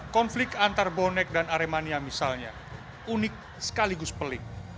konflik antar bonek dan aremania misalnya unik sekaligus pelik